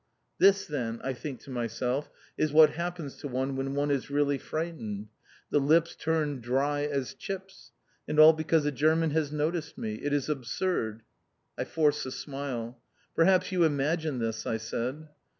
(This then, I think to myself, is what happens to one when one is really frightened. The lips turn dry as chips. And all because a German has noticed me. It is absurd.) I force a smile. "Perhaps you imagine this," I said.